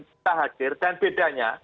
kita hadir dan bedanya